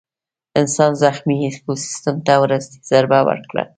انسان زخمي ایکوسیستم ته وروستۍ ضربه ورکړه.